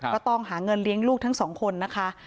ก็ต้องหาเงินเลี้ยงลูกทั้งสองคนนะคะ